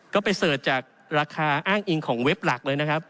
ก็ไปเสิร์ชจากราคาอ้างอิงของเว็บหลักเลยนะครับ